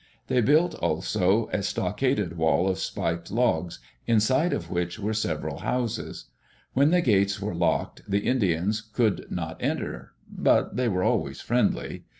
They built also a stockaded wall of spiked logs, inside of which were sev eral houses. When the gates were locked the Indians could not enter, but they were always friendly.